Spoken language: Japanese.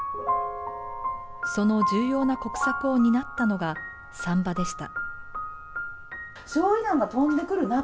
その重要な国策を担ったのが産婆でした。